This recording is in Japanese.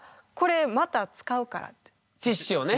これティッシュをね。